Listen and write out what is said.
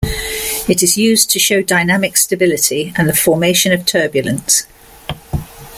It is used to show dynamic stability and the formation of turbulence.